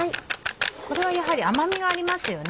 これはやはり甘みがありますよね。